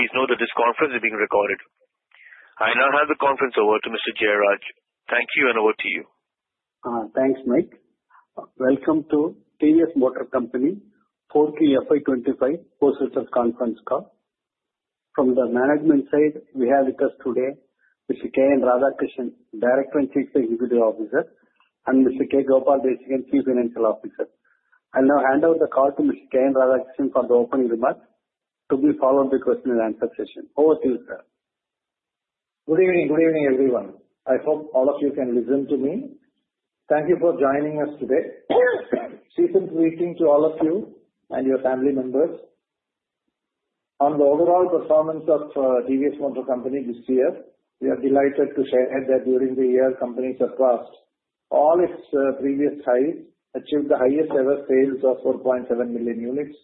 Please note that this conference is being recorded. I now hand the conference over to Mr. Jeyaraj. Thank you, and over to you. Thanks, Mike. Welcome to TVS Motor Company K. N. Radhakrishnan, Q4 FY25, earnings Conference Call. From the management side, we have with us today Mr. K. N. Radhakrishnan, Director and Chief Executive Officer, and Mr. K. Gopala Desikan, Chief Financial Officer. I now hand over the call to Mr. K. N. Radhakrishnan for the opening remarks to be followed by the question and answer session. Over to you, sir. Good evening. Good evening, everyone. I hope all of you can listen to me. Thank you for joining us today. Cheers and greetings to all of you and your family members. On the overall performance of TVS Motor Company this year, we are delighted to share that during the year, the company surpassed all its previous highs, achieved the highest-ever sales of 4.7 million units,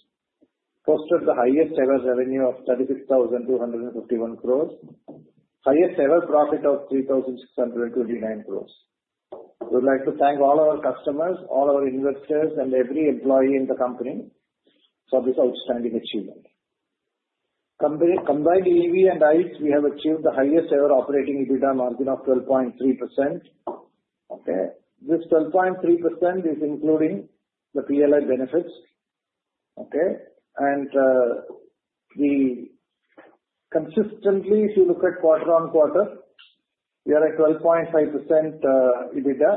posted the highest-ever revenue of 36,251 crore, and the highest-ever profit of 3,629 crore. We would like to thank all our customers, all our investors, and every employee in the company for this outstanding achievement. Combined EV and ICE, we have achieved the highest-ever operating EBITDA margin of 12.3%. This 12.3% is including the PLI benefits. Consistently, if you look at quarter-on-quarter, we are at 12.5% EBITDA,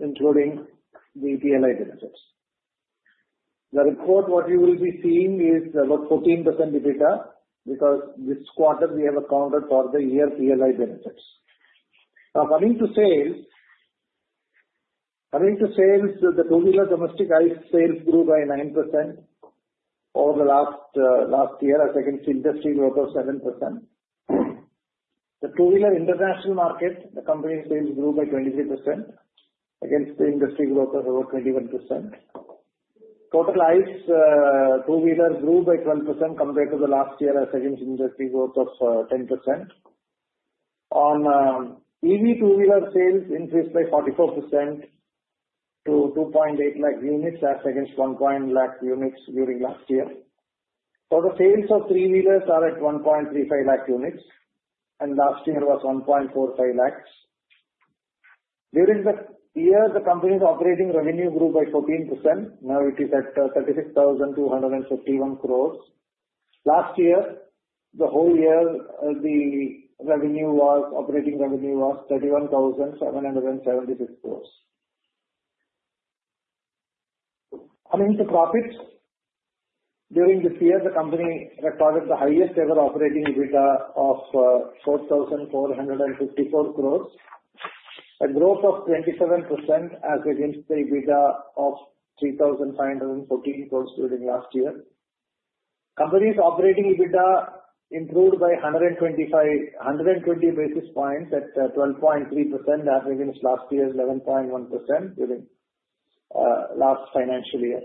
including the PLI benefits. The report, what you will be seeing, is about 14% EBITDA because this quarter we have accounted for the year PLI benefits. Now, coming to sales, the two-wheeler domestic ICE sales grew by 9% over the last year, second to the industry growth of 7%. The two-wheeler international market, the company's sales grew by 23%, against the industry growth of about 21%. Total ICE two-wheelers grew by 12% compared to the last year, second to the industry growth of 10%. On EV two-wheeler sales, increased by 44% to 280,000 units, second to 100,000 units during last year. For the sales of three-wheelers, we are at 135,000 units, and last year was 145,000. During the year, the company's operating revenue grew by 14%. Now it is at 36,251 crore. Last year, the whole year, the operating revenue was INR 31,776 crore. Coming to profits, during this year, the company recorded the highest-ever operating EBITDA of 4,454 crore, a growth of 27%, second to the EBITDA of 3,514 crore during last year. Company's operating EBITDA improved by 120 basis points at 12.3%, averaging last year 11.1% during the last financial year.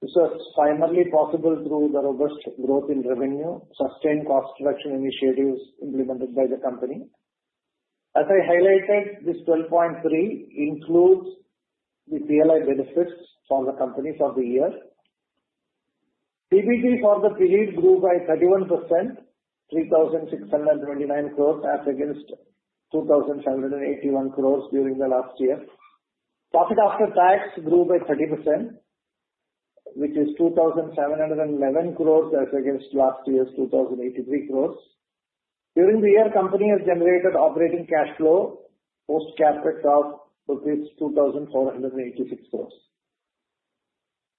This was primarily possible through the robust growth in revenue, sustained cost reduction initiatives implemented by the company. As I highlighted, this 12.3% includes the PLI benefits for the company for the year. PBT for the period grew by 31%, 3,629 crore, second to 2,781 crore during the last year. Profit after tax grew by 30%, which is 2,711 crore, second to last year's 2,083 crore. During the year, the company has generated operating cash flow post-capex of INR 2,486 crore.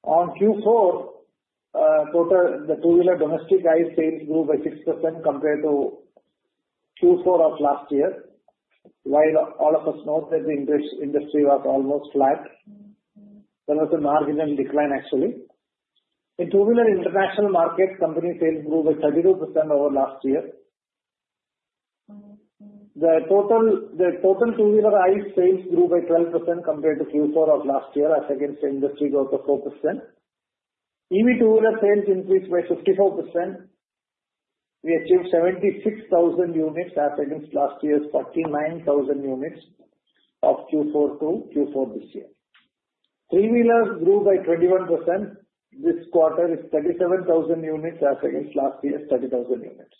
On Q4, the two-wheeler domestic ICE sales grew by 6% compared to Q4 of last year, while all of us know that the industry was almost flat. There was a marginal decline, actually. In two-wheeler international market, the company's sales grew by 32% over last year. The total two-wheeler ICE sales grew by 12% compared to Q4 of last year, second to industry growth of 4%. EV two-wheeler sales increased by 54%. We achieved 76,000 units, second to last year's 49,000 units of Q4 to Q4 this year. Three-wheelers grew by 21%. This quarter, it's 37,000 units, second to last year's 30,000 units.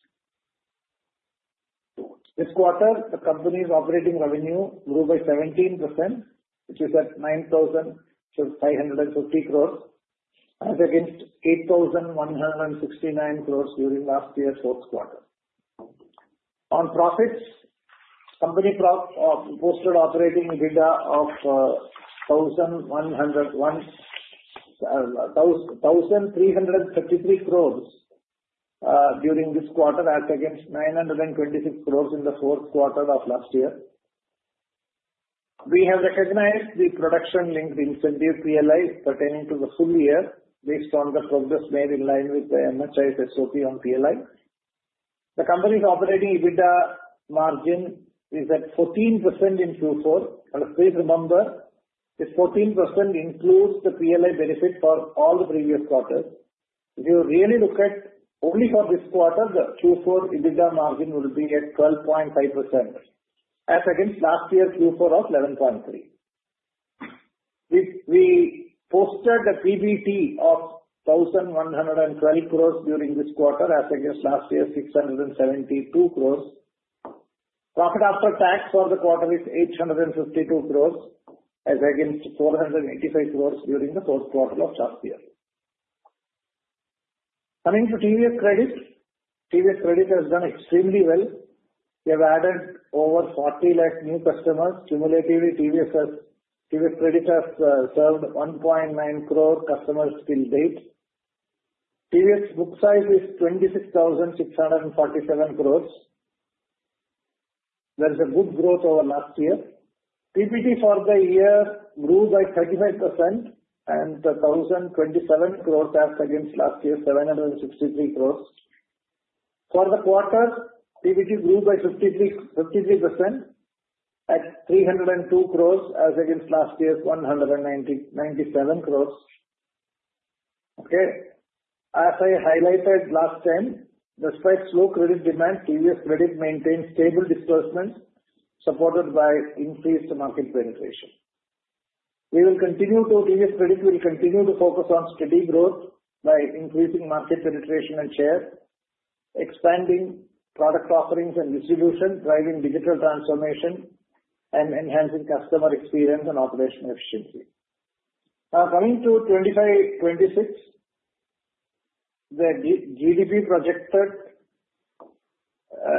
This quarter, the company's operating revenue grew by 17%, which is at 9,550 crore, second to 8,169 crore during last year's Q4. On profits, the company posted operating EBITDA of 1,333 crore during this quarter, second to 926 crore in the Q4 of last year. We have recognized the production-linked incentive PLI pertaining to the full year based on the progress made in line with the MHI SOP on PLI. The company's operating EBITDA margin is at 14% in Q4. Please remember, this 14% includes the PLI benefit for all the previous quarters. If you really look at only for this quarter, the Q4 EBITDA margin will be at 12.5%, second to last year's Q4 of 11.3%. We posted a PBT of 1,112 crore during this quarter, second to last year's 672 crore. Profit after tax for the quarter is 852 crore, second to 485 crore during the Q4 of last year. Coming to TVS Credit, TVS Credit has done extremely well. We have added over 4 million new customers. Cumulatively, TVS Credit has served 19 million customers till date. TVS book size is 26,647 crore. There is a good growth over last year. PBT for the year grew by 35% at 1,027 crore, second to last year's 763 crore. For the quarter, PBT grew by 53% at 302 crore, second to last year's 197 crore. As I highlighted last time, despite slow credit demand, TVS Credit maintains stable disbursements supported by increased market penetration. We will continue to—TVS Credit will continue to focus on steady growth by increasing market penetration and share, expanding product offerings and distribution, driving digital transformation, and enhancing customer experience and operational efficiency. Now, coming to 2025-2026, the GDP projected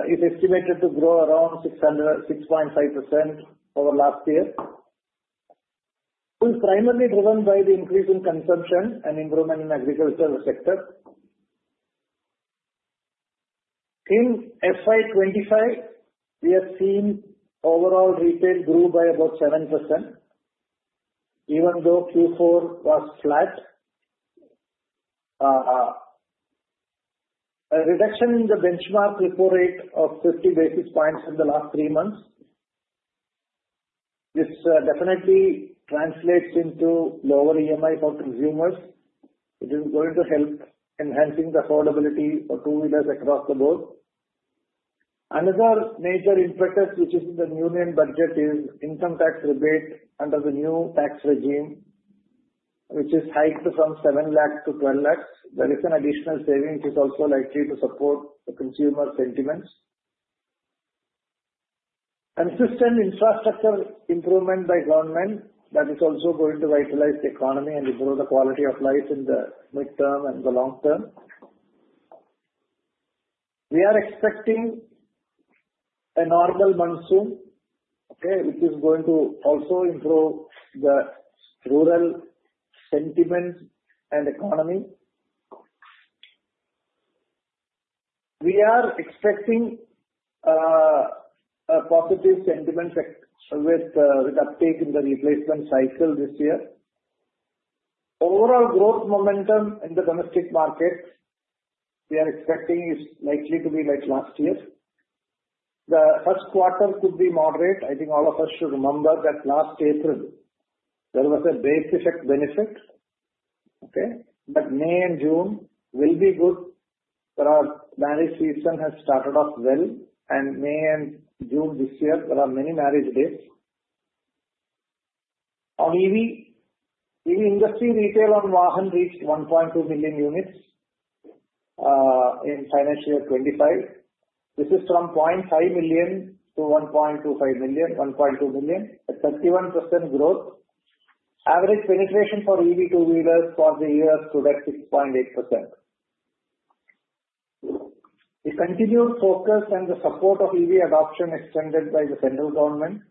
is estimated to grow around 6.5% over last year. It is primarily driven by the increase in consumption and improvement in the agricultural sector. In FY 2025, we have seen overall retail grow by about 7%, even though Q4 was flat. A reduction in the benchmark report rate of 50 basis points in the last three months. This definitely translates into lower EMI for consumers. It is going to help enhance the affordability for two-wheelers across the board. Another major impetus, which is the new year budget, is income tax rebate under the new tax regime, which is hiked from 7 lakh to 12 lakh. There is an additional saving which is also likely to support the consumer sentiments. Consistent infrastructure improvement by government that is also going to vitalize the economy and improve the quality of life in the midterm and the long term. We are expecting a normal monsoon, which is going to also improve the rural sentiment and economy. We are expecting a positive sentiment with uptake in the replacement cycle this year. Overall growth momentum in the domestic market we are expecting is likely to be like last year. The Q1 could be moderate. I think all of us should remember that last April, there was a base effect benefit. May and June will be good. Marriage season has started off well, and May and June this year, there are many marriage days. On EV, EV industry retail on Vahan reached 1.2 million units in financial year 2025. This is from 0.5 million to 1.25 million, 1.2 million, at 31% growth. Average penetration for EV two-wheelers for the year is today 6.8%. The continued focus and the support of EV adoption extended by the central government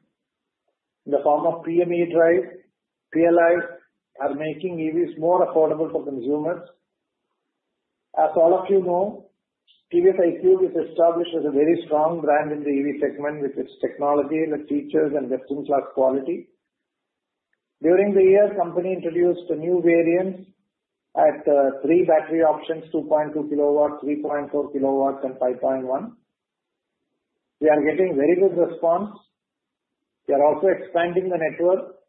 in the form of PM e-Drive. PLIs are making EVs more affordable for consumers. As all of you know, TVS iQube is established as a very strong brand in the EV segment with its technology, the features, and best-in-class quality. During the year, the company introduced new variants at three battery options: 2.2 kWh, 3.4 kWh, and 5.1. We are getting very good response. We are also expanding the network.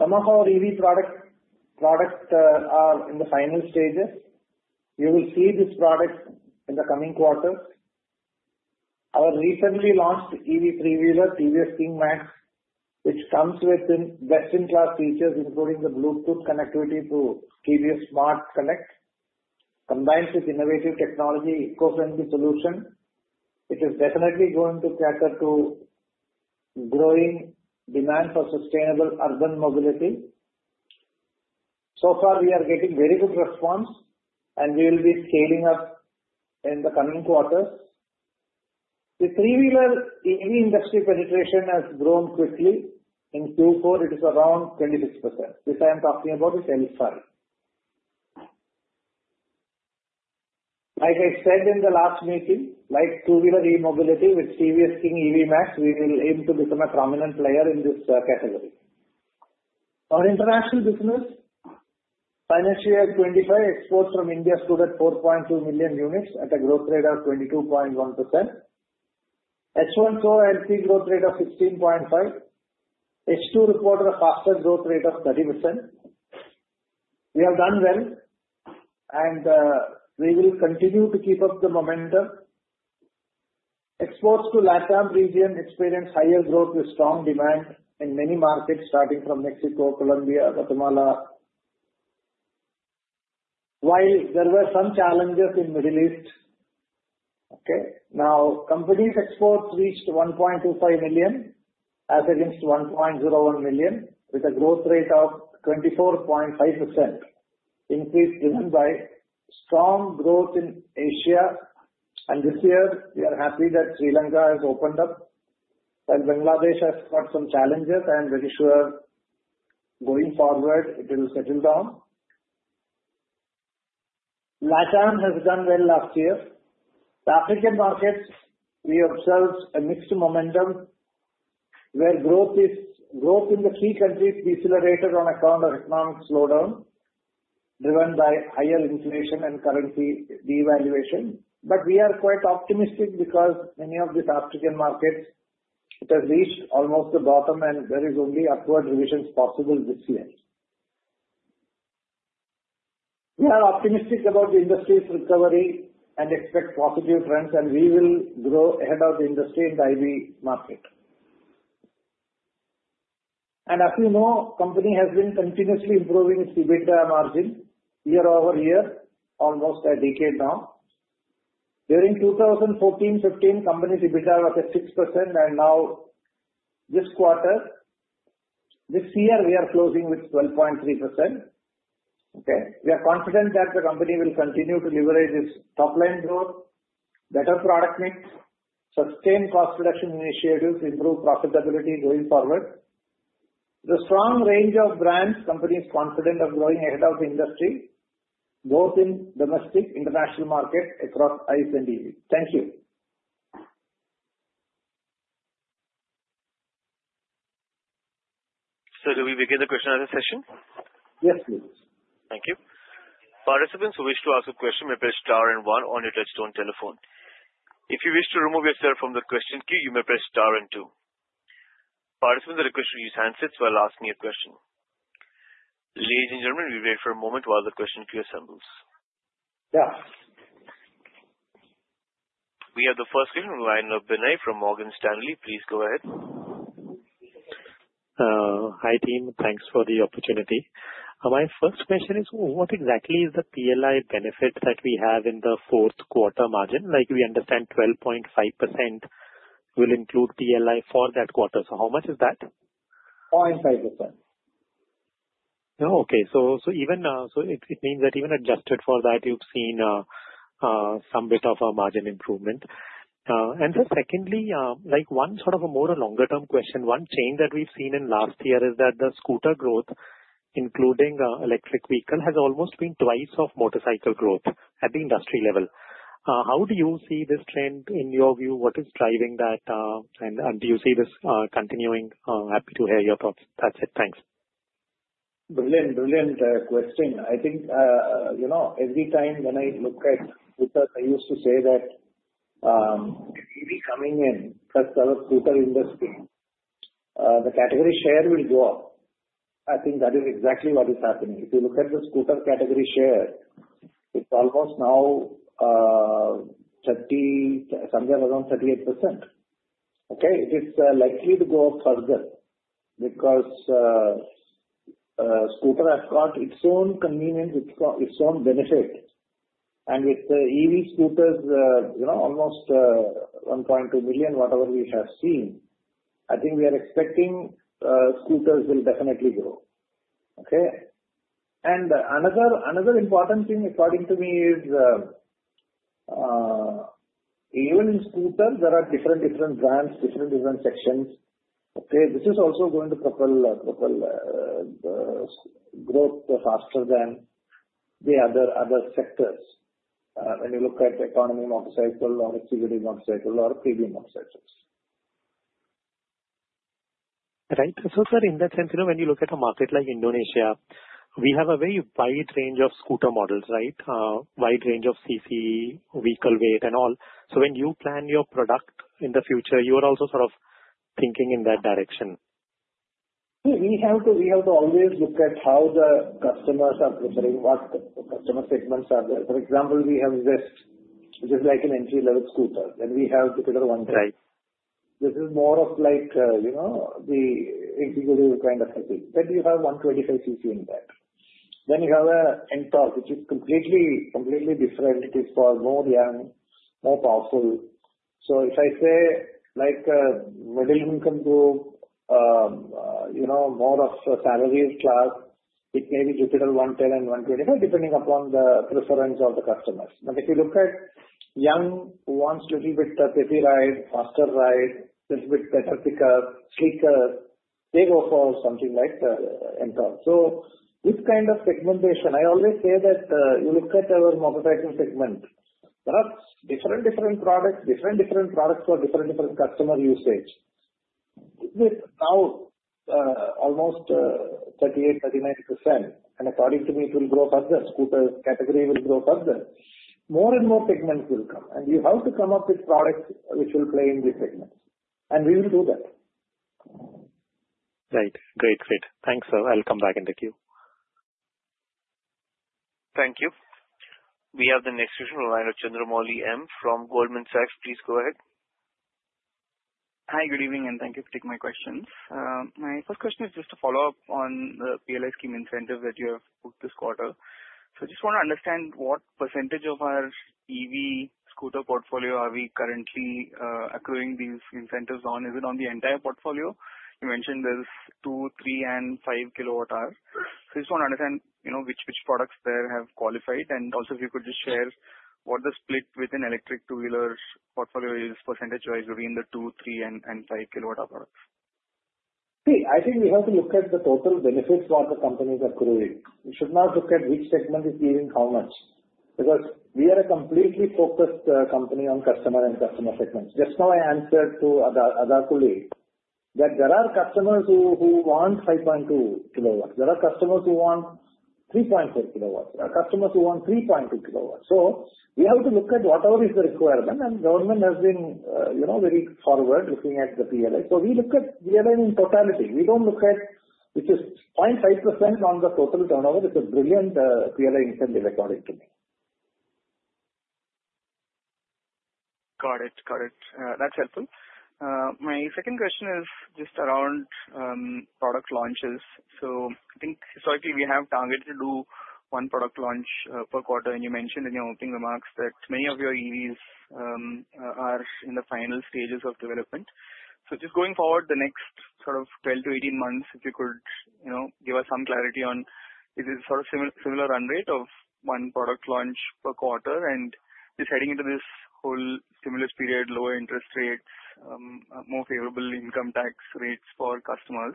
Some of our EV products are in the final stages. You will see these products in the coming quarters. Our recently launched EV three-wheeler, TVS King Duramax, which comes with best-in-class features, including the Bluetooth connectivity to TVS Smart Connect. Combined with innovative technology, it goes into solution. It is definitely going to cater to growing demand for sustainable urban mobility. We are getting very good response, and we will be scaling up in the coming quarters. The three-wheeler EV industry penetration has grown quickly. In Q4, it is around 26%. This I am talking about is L5. Like I said in the last meeting, like two-wheeler EV mobility with TVS King Duramax, we will aim to become a prominent player in this category. On international business, financial year 2025, exports from India stood at 4.2 million units at a growth rate of 22.1%. H1 saw healthy growth rate of 16.5%. H2 reported a faster growth rate of 30%. We have done well, and we will continue to keep up the momentum. Exports to the LatAm region experienced higher growth with strong demand in many markets, starting from Mexico, Colombia, Guatemala. While there were some challenges in the Middle East, now company's exports reached 1.25 million, second to 1.01 million, with a growth rate of 24.5%, increase driven by strong growth in Asia. This year, we are happy that Sri Lanka has opened up, while Bangladesh has got some challenges, and very sure going forward it will settle down. LatAm has done well last year. The African markets, we observed a mixed momentum where growth in the key countries decelerated on account of economic slowdown driven by higher inflation and currency devaluation. We are quite optimistic because many of these African markets, it has reached almost the bottom, and there are only upward revisions possible this year. We are optimistic about the industry's recovery and expect positive trends, and we will grow ahead of the industry in the IV market. As you know, the company has been continuously improving its EBITDA margin year-over-year, almost a decade now. During 2014-2015, the company's EBITDA was at 6%, and now this quarter, this year, we are closing with 12.3%. We are confident that the company will continue to leverage its top-line growth, better product mix, sustain cost reduction initiatives, improve profitability going forward. The strong range of brands the company is confident of growing ahead of the industry, both in domestic and international markets across ICE and EV. Thank you. Sir, can we begin the question and answer session? Yes, please. Thank you. Participants who wish to ask a question may press star and one on your touchtone telephone. If you wish to remove yourself from the question queue, you may press star and two. Participants that request to use handsets while asking a question. Ladies and gentlemen, we wait for a moment while the question queue assembles. Yeah. We have the first in line of Binay Singh from Morgan Stanley. Please go ahead. Hi team, thanks for the opportunity. My first question is, what exactly is the PLI benefit that we have in the Q4 margin? We understand 12.5% will include PLI for that quarter. How much is that? 0.5%. Okay. It means that even adjusted for that, you've seen some bit of a margin improvement. Secondly, one sort of a more longer-term question. One change that we've seen in last year is that the scooter growth, including electric vehicles, has almost been twice of motorcycle growth at the industry level. How do you see this trend in your view? What is driving that? Do you see this continuing? Happy to hear your thoughts. That's it. Thanks. Brilliant, brilliant question. I think every time when I look at scooters, I used to say that EV coming in, plus the scooter industry, the category share will go up. I think that is exactly what is happening. If you look at the scooter category share, it's almost now somewhere around 38%. It is likely to go up further because scooters have got its own convenience, its own benefit. With the EV scooters, almost 1.2 million, whatever we have seen, I think we are expecting scooters will definitely grow. Another important thing, according to me, is even in scooters, there are different, different brands, different, different sections. This is also going to propel growth faster than the other sectors when you look at the economy motorcycle or executive motorcycle or premium motorcycles. Right. So sir, in that sense, when you look at a market like Indonesia, we have a very wide range of scooter models, right? Wide range of CC, vehicle weight, and all. When you plan your product in the future, you are also sort of thinking in that direction. We have to always look at how the customers are preferring, what customer segments are there. For example, we have Zest. This is like an entry-level scooter. Then we have the Jupiter 125. This is more of the executive kind of setting. Then you have 125 CC in that. Then you have an Ntorq, which is completely different. It is for more young, more powerful. If I say like a middle-income group, more of a salaried class, it may be Jupiter 110 and 125, depending upon the preference of the customers. If you look at young who want a little bit peppy ride, faster ride, a little bit better pickup, sleeker, they go for something like the Ntorq. This kind of segmentation, I always say that you look at our motorcycling segment. There are different, different products, different, different products for different, different customer usage. Now, almost 38-39%. According to me, it will grow further. Scooter category will grow further. More and more segments will come. You have to come up with products which will play in these segments. We will do that. Right. Great. Great. Thanks. I'll come back in the queue. Thank you. We have the next question in line of Chandramouli M. from Goldman Sachs. Please go ahead. Hi, good evening, and thank you for taking my questions. My first question is just a follow-up on the PLI scheme incentives that you have booked this quarter. I just want to understand what percentage of our EV scooter portfolio are we currently accruing these incentives on? Is it on the entire portfolio? You mentioned there is two, three, and five kilowatt-hours. I just want to understand which products there have qualified. Also, if you could just share what the split within electric two-wheelers portfolio is percentage-wise between the two, three, and five kilowatt-hour products. See, I think we have to look at the total benefits what the companies are accruing. We should not look at which segment is giving how much because we are a completely focused company on customer and customer segments. Just now, I answered to another colleague that there are customers who want 5.2 kilowatts. There are customers who want 3.4 kilowatts. There are customers who want 3.2 kilowatts. We have to look at whatever is the requirement. Government has been very forward looking at the PLI. We look at PLI in totality. We do not look at which is 0.5% on the total turnover. It is a brilliant PLI incentive according to me. Got it. Got it. That's helpful. My second question is just around product launches. I think historically, we have targeted to do one product launch per quarter. You mentioned in your opening remarks that many of your EVs are in the final stages of development. Just going forward, the next sort of 12 to 18 months, if you could give us some clarity on is it sort of similar run rate of one product launch per quarter? Just heading into this whole stimulus period, lower interest rates, more favorable income tax rates for customers,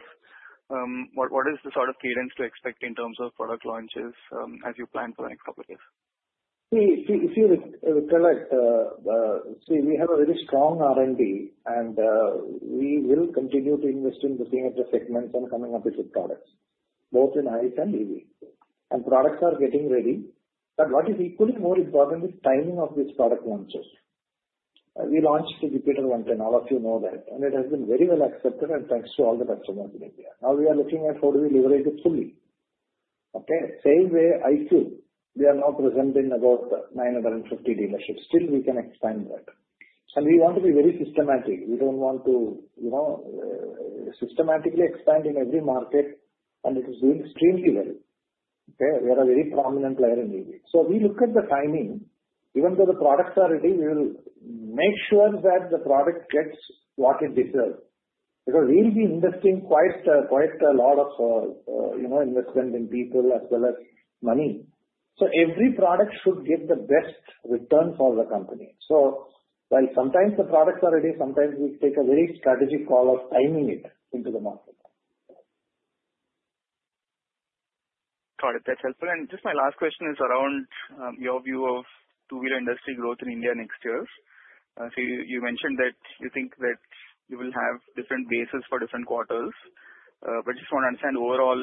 what is the sort of cadence to expect in terms of product launches as you plan for the next couple of years? See, we have a very strong R&D, and we will continue to invest in looking at the segments and coming up with the products, both in ICE and EV. And products are getting ready. What is equally more important is timing of these product launches. We launched the Jupiter 110. All of you know that. It has been very well accepted, and thanks to all the customers in India. Now, we are looking at how do we leverage it fully. Same way, iQube, we are now present in about 950 dealerships. Still, we can expand that. We want to be very systematic. We do not want to systematically expand in every market, and it is doing extremely well. We are a very prominent player in EV. We look at the timing. Even though the products are ready, we will make sure that the product gets what it deserves because we'll be investing quite a lot of investment in people as well as money. Every product should give the best return for the company. While sometimes the products are ready, sometimes we take a very strategic call of timing it into the market. Got it. That's helpful. Just my last question is around your view of two-wheeler industry growth in India next year. You mentioned that you think that you will have different bases for different quarters. I just want to understand overall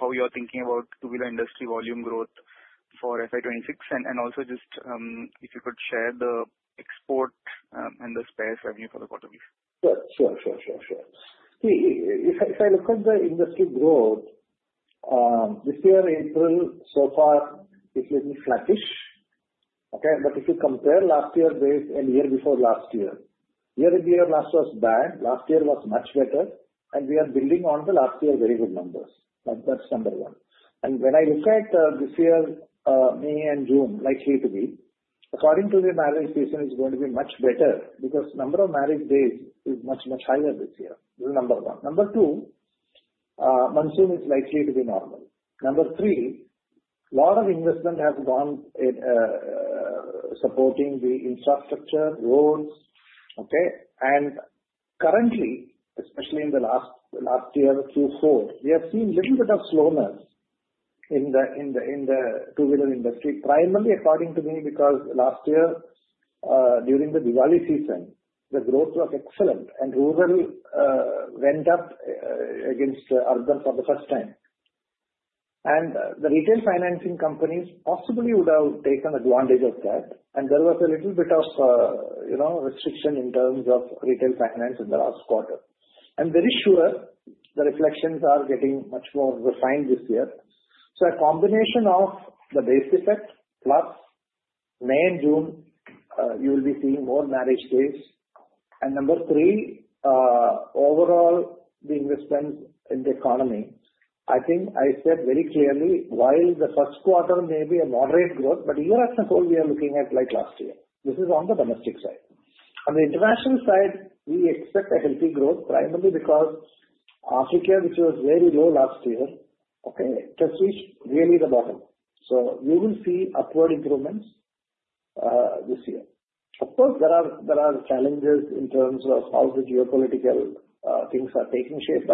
how you're thinking about two-wheeler industry volume growth for FI 2026. Also, if you could share the export and the spares revenue for the quarterly. Sure. See, if I look at the industry growth, this year, April, so far, it's been flattish. If you compare last year with a year before last year, year-to-year loss was bad. Last year was much better. We are building on last year's very good numbers. That's number one. When I look at this year, May and June, likely to be, according to the marriage season, it's going to be much better because the number of marriage days is much, much higher this year. This is number one. Number two, monsoon is likely to be normal. Number three, a lot of investment has gone supporting the infrastructure, roads. Currently, especially in the last year, Q4, we have seen a little bit of slowness in the two-wheeler industry, primarily according to me because last year, during the Diwali season, the growth was excellent, and rural went up against urban for the first time. The retail financing companies possibly would have taken advantage of that. There was a little bit of restriction in terms of retail finance in the last quarter. I am very sure the reflections are getting much more refined this year. A combination of the base effect plus May and June, you will be seeing more marriage days. Number three, overall, the investments in the economy, I think I said very clearly, while the Q1 may be a moderate growth, but year after four, we are looking at like last year. This is on the domestic side. On the international side, we expect a healthy growth, primarily because Africa, which was very low last year, just reached nearly the bottom. We will see upward improvements this year. Of course, there are challenges in terms of how the geopolitical things are taking shape,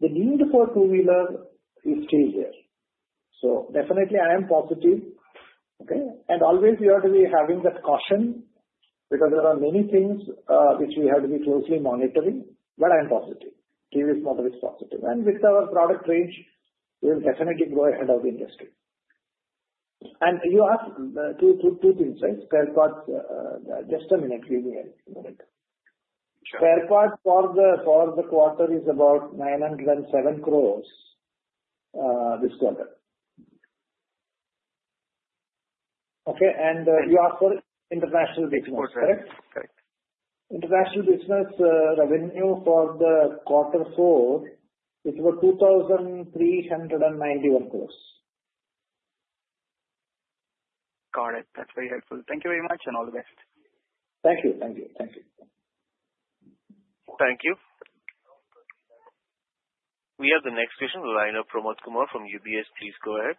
but the need for two-wheelers is still there. I am positive. Always, we are going to be having that caution because there are many things which we have to be closely monitoring, but I am positive. Previous model is positive. With our product range, we will definitely grow ahead of the industry. You asked two things, right? Just a minute. Give me a minute. The first for the solve the quarter is about 907 crore this quarter. You asked for international business, correct? Correct. Correct. International business revenue for the quarter four is about INR 2,391 crore. Got it. That's very helpful. Thank you very much, and all the best. Thank you. Thank you. We have the next question in line of Pramod Kumar from UBS. Please go ahead.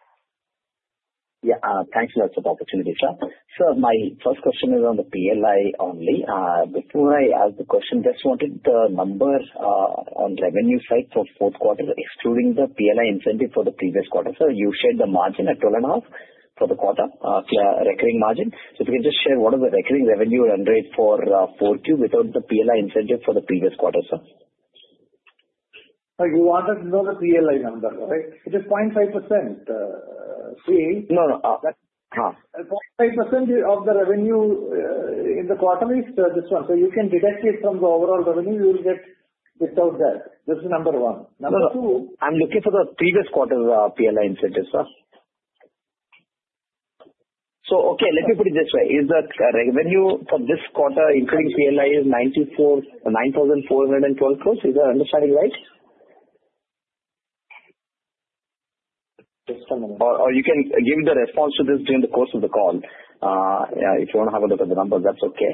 Yeah. Thanks a lot for the opportunity, sir. My first question is on the PLI only. Before I ask the question, just wanted the number on revenue side for Q4, excluding the PLI incentive for the previous quarter. You shared the margin at 12.5% for the quarter recurring margin. If you can just share what is the recurring revenue run rate for Q4 without the PLI incentive for the previous quarter, sir? You wanted to know the PLI number, right? It is 0.5%. See. No, no. 0.5% of the revenue in the quarter is this one. You can deduct it from the overall revenue. You will get without that. This is number one. Number two. I'm looking for the previous quarter PLI incentive, sir. Okay, let me put it this way. Is the revenue for this quarter, including PLI, 9,412 crore? Is that understanding right? Just a minute. You can give the response to this during the course of the call. If you want to have a look at the numbers, that's okay.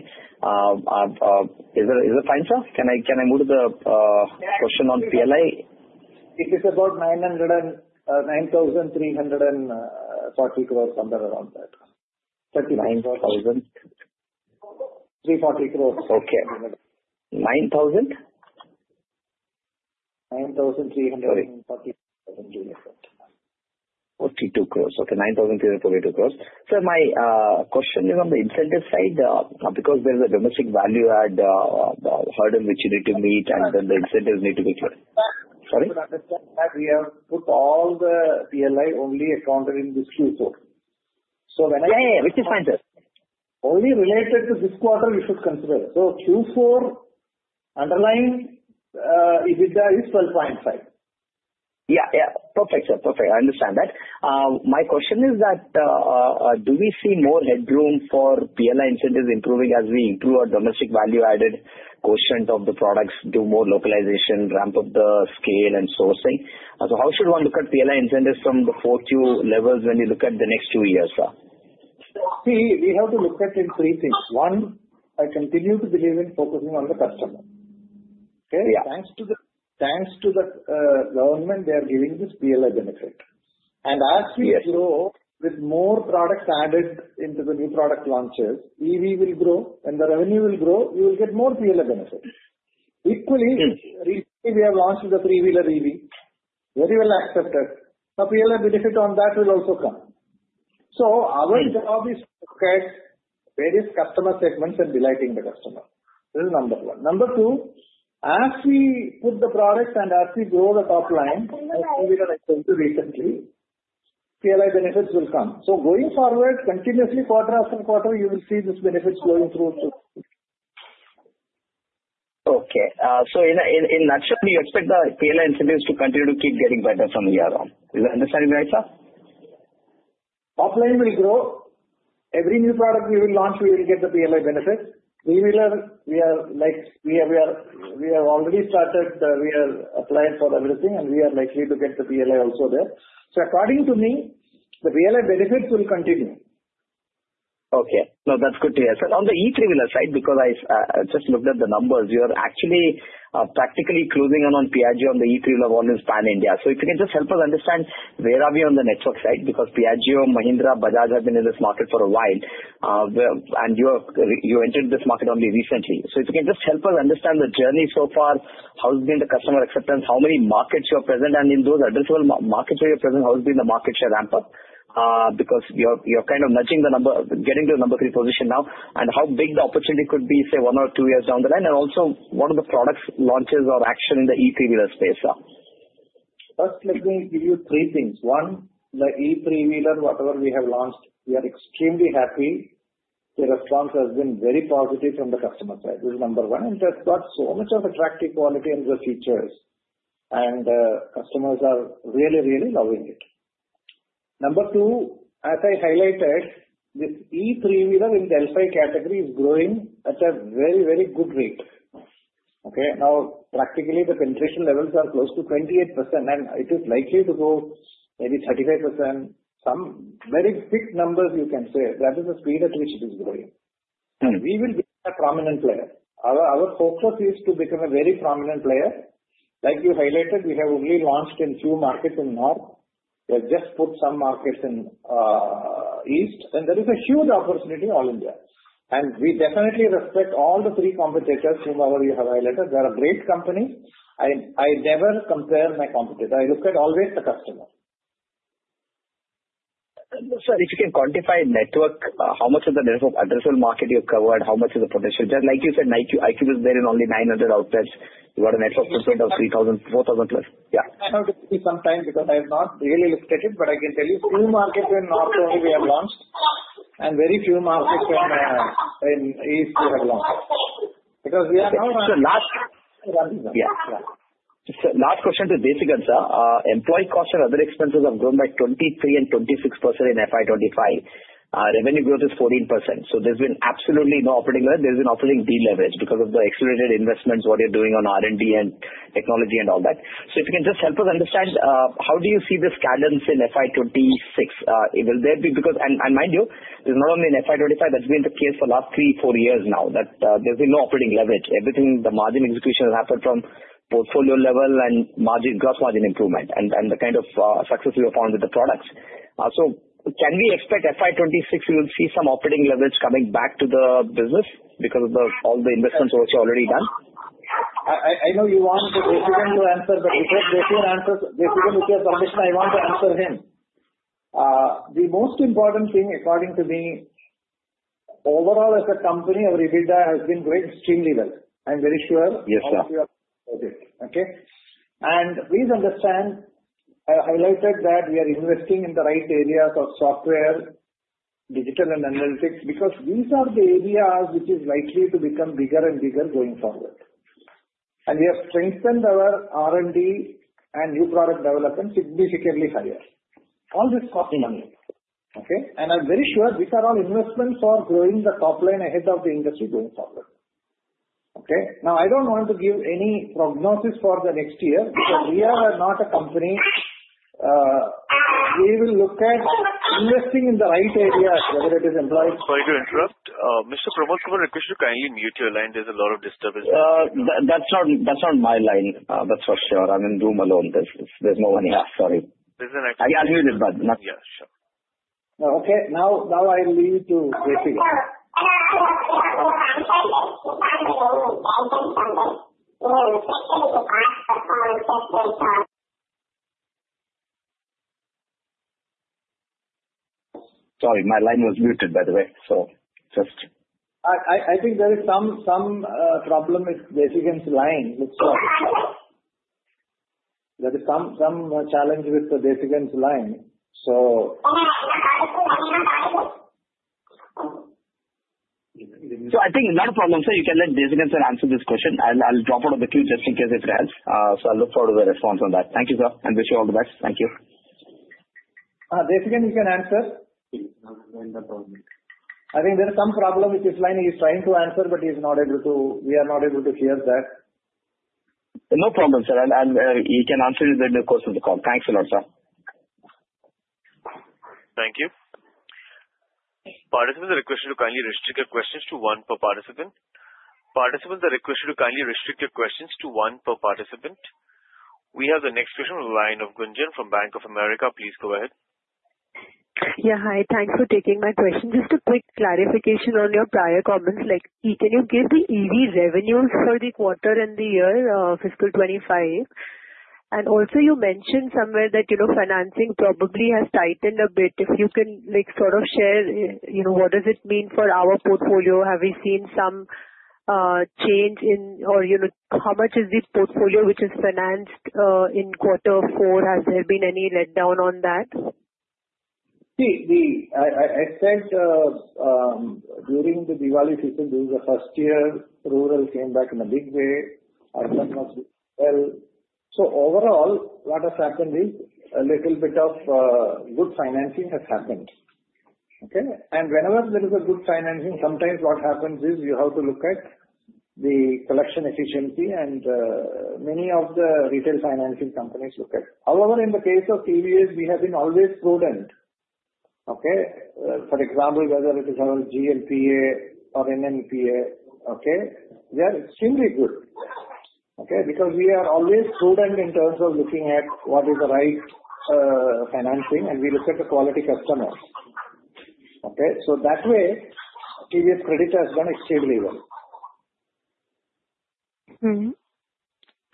Is it fine, sir? Can I move to the question on PLI? It is about 9,340 crore, somewhere around that. 9,000? 340 crores. Okay. 9,000? 9,340 crores. 42 crores. Okay. INR 9,342 crores. Sir, my question is on the incentive side because there is a domestic value-add hurdle which you need to meet, and then the incentives need to be cleared. Sorry? We have put all the PLI only accounted in this Q4. When I. Yeah, yeah. Which is fine, sir. Only related to this quarter, we should consider. Q4 underlying EBITDA is 12.5. Yeah. Yeah. Perfect, sir. Perfect. I understand that. My question is that do we see more headroom for PLI incentives improving as we improve our domestic value-added quotient of the products, do more localization, ramp up the scale, and sourcing? How should one look at PLI incentives from the 4Q levels when you look at the next two years, sir? See, we have to look at it in three things. One, I continue to believe in focusing on the customer. Thanks to the government, they are giving this PLI benefit. As we grow with more products added into the new product launches, EV will grow, and the revenue will grow, you will get more PLI benefit. Equally, recently, we have launched the three-wheeler EV, very well accepted. The PLI benefit on that will also come. Our job is to look at various customer segments and delighting the customer. This is number one. Number two, as we put the product and as we grow the top line, as we were explaining recently, PLI benefits will come. Going forward, continuously quarter after quarter, you will see these benefits going through too. Okay. In a nutshell, you expect the PLI incentives to continue to keep getting better from year on. Is that understanding right, sir? Top line will grow. Every new product we will launch, we will get the PLI benefit. Three-wheeler, we have already started. We are applying for everything, and we are likely to get the PLI also there. According to me, the PLI benefits will continue. Okay. No, that's good to hear. On the e-triwheeler side, because I just looked at the numbers, you're actually practically closing in on Piaggio on the e-triwheeler one in Pan India. If you can just help us understand where we are on the network side because Piaggio, Mahindra, Bajaj have been in this market for a while, and you entered this market only recently. If you can just help us understand the journey so far, how's been the customer acceptance, how many markets you're present, and in those addressable markets where you're present, how's been the market share ramp-up because you're kind of nudging the number, getting to the number three position now, and how big the opportunity could be, say, one or two years down the line, and also what are the product launches or action in the e-triwheeler space, sir? First, let me give you three things. One, the e-triwheeler, whatever we have launched, we are extremely happy. The response has been very positive from the customer side. This is number one. It has got so much of attractive quality and the features, and customers are really, really loving it. Number two, as I highlighted, this e-triwheeler in the L5 category is growing at a very, very good rate. Now, practically, the penetration levels are close to 28%, and it is likely to go maybe 35%, some very big numbers you can say. That is the speed at which it is growing. We will be a prominent player. Our focus is to become a very prominent player. Like you highlighted, we have only launched in a few markets in the north. We have just put some markets in the east, and there is a huge opportunity in all India. We definitely respect all the three competitors whomever you have highlighted. They are a great company. I never compare my competitor. I look at always the customer. Sir, if you can quantify network, how much of the addressable market you've covered, how much of the potential? Just like you said, iQube is there in only 900 outlets. You've got a network footprint of 3,000-4,000 plus. Yeah. I have to give you some time because I have not really looked at it, but I can tell you a few markets in the north only we have launched, and very few markets in the east we have launched. Because we are now last running on. Yeah. Yeah. Sir, last question to the Desikan sir. Employee costs and other expenses have grown by 23% and 26% in FY 2025. Revenue growth is 14%. There has been absolutely no operating leverage. There has been operating deleverage because of the accelerated investments, what you're doing on R&D and technology and all that. If you can just help us understand, how do you see the cadence in FY 2026? Will there be, because, and mind you, it's not only in FY 2025. That has been the case for the last three, four years now, that there has been no operating leverage. Everything, the margin execution has happened from portfolio level and gross margin improvement and the kind of success we have found with the products. Can we expect FY 2026, we will see some operating leverage coming back to the business because of all the investments which are already done? I know you want the Desikan to answer, but if you can answer Desikan which you have commissioned, I want to answer him. The most important thing, according to me, overall as a company, our EBITDA has been doing extremely well. I'm very sure. Yes, sir. Okay. Please understand, I highlighted that we are investing in the right areas of software, digital, and analytics because these are the areas which are likely to become bigger and bigger going forward. We have strengthened our R&D and new product development significantly higher. All this costs money. I'm very sure these are all investments for growing the top line ahead of the industry going forward. Now, I don't want to give any prognosis for the next year because we are not a company. We will look at investing in the right areas, whether it is employees. Sorry to interrupt. Mr. Pramod Kumar, I request you to kindly mute your line. There is a lot of disturbance. That's not my line. That's for sure. I'm in Zoom alone. There's no one here. Sorry. There's an activity. I muted, but. Yeah. Sure. Okay. Now, I'll leave you to. Sorry, my line was muted, by the way. So just. I think there is some problem with Desikan's line. There is some challenge with the Desikan's line. I think not a problem, sir. You can let Desikan Sir answer this question, and I'll drop out of the queue just in case if he has. I will look forward to the response on that. Thank you, sir. Wish you all the best. Thank you. Desikan, you can answer. I think there is some problem with this line. He's trying to answer, but he's not able to. We are not able to hear that. No problem, sir. He can answer in the course of the call. Thanks a lot, sir. Thank you. Participants are requested to kindly restrict your questions to one per participant. We have the next question from line of Gunjan from Bank of America. Please go ahead. Yeah. Hi. Thanks for taking my question. Just a quick clarification on your prior comments. Earlier, you gave the EV revenues for the quarter and the year fiscal 2025. Also, you mentioned somewhere that financing probably has tightened a bit. If you can sort of share, what does it mean for our portfolio? Have we seen some change in, or how much is the portfolio which is financed in quarter four? Has there been any letdown on that? See, I said during the Diwali season, this is the first year rural came back in a big way. Overall, what has happened is a little bit of good financing has happened. Whenever there is good financing, sometimes what happens is you have to look at the collection efficiency, and many of the retail financing companies look at that. However, in the case of EVs, we have been always prudent. For example, whether it is our GNPA or NNPA, they are extremely good because we are always prudent in terms of looking at what is the right financing, and we look at the quality customers. That way, EV credit has done extremely well.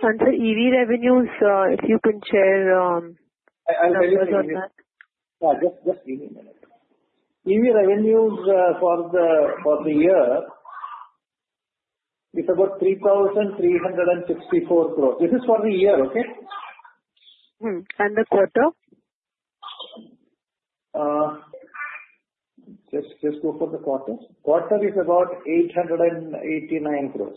Sir, the EV revenues, if you can share your thoughts on that. I'll tell you something. Just give me a minute. EV revenues for the year is about 3,364 crore. This is for the year, okay? The quarter? Just go for the quarter. Quarter is about 889 crore.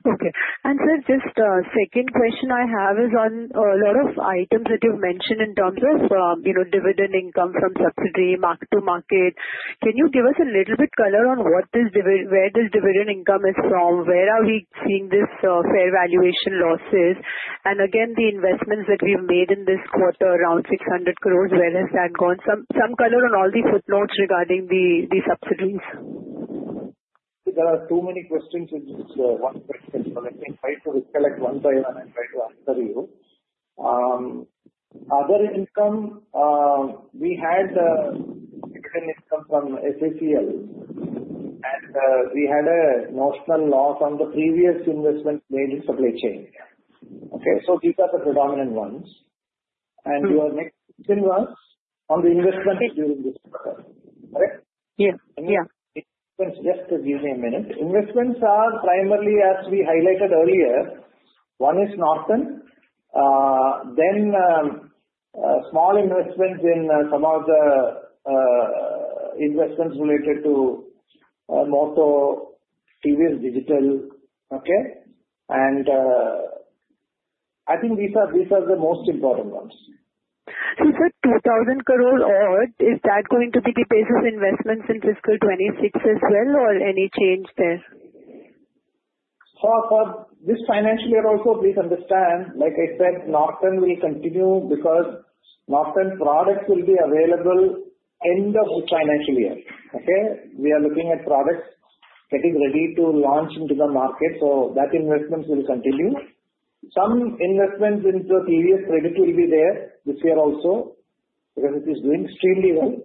Okay. Sir, just a second question I have is on a lot of items that you've mentioned in terms of dividend income from subsidy, mark-to-market. Can you give us a little bit color on where this dividend income is from? Where are we seeing these fair valuation losses? Again, the investments that we've made in this quarter, around 600 crore, where has that gone? Some color on all the footnotes regarding the subsidies. There are too many questions in this one question, so let me try to recollect one by one and try to answer you. Other income, we had dividend income from SACL, and we had a notional loss on the previous investments made in supply chain. These are the predominant ones. Your next question was on the investments during this quarter. Correct? Yeah. Yeah. Just give me a minute. Investments are primarily, as we highlighted earlier, one is Norton. Then small investments in some of the investments related to more so TVS, digital. I think these are the most important ones. You said 2,000 crore odd. Is that going to be the basis investments in fiscal 2026 as well, or any change there? For this financial year also, please understand, like I said, Norton will continue because Norton products will be available end of this financial year. We are looking at products getting ready to launch into the market, so that investments will continue. Some investments in the TVS Credit will be there this year also because it is doing extremely well.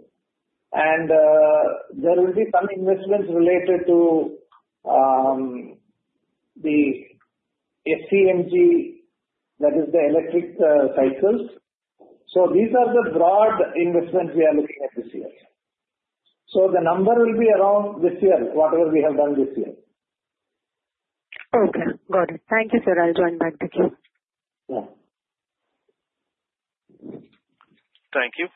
There will be some investments related to the SEMG, that is the electric cycles. These are the broad investments we are looking at this year. The number will be around this year, whatever we have done this year. Okay. Got it. Thank you, sir. I'll join back. Thank you. Thank you.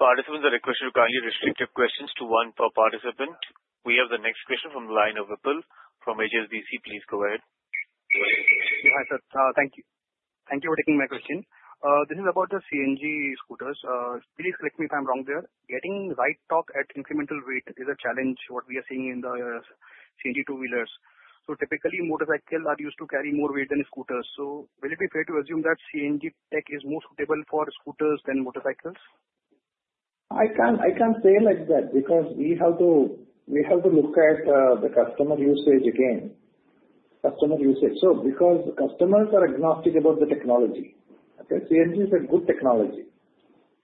Participants are requested to kindly restrict your questions to one per participant. We have the next question from line of Vipul from HSBC. Please go ahead. Yeah, hi, sir. Thank you. Thank you for taking my question. This is about the CNG scooters. Please correct me if I'm wrong there. Getting light top at incremental weight is a challenge, what we are seeing in the CNG two-wheelers. Typically, motorcycles are used to carry more weight than scooters. Will it be fair to assume that CNG tech is more suitable for scooters than motorcycles? I can't say like that because we have to look at the customer usage again. Customer usage. Because customers are agnostic about the technology, CNG is a good technology.